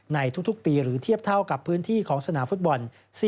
ในทุกปีหรือเทียบเท่ากับพื้นที่ของสนามฟุตบอล